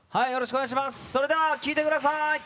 それでは聴いてください。